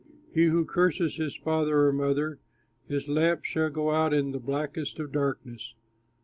He who curses his father or mother, His lamp shall go out in the blackest of darkness.